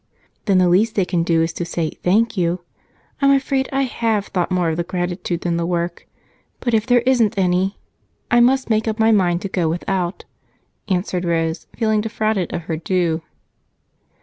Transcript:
"Then the least they can do is to say 'thank you.' I'm afraid I have thought more of the gratitude than the work, but if there isn't any, I must make up my mind to go without," answered Rose, feeling defrauded of her due.